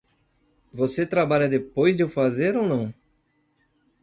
Você trabalha depois de eu fazer ou não?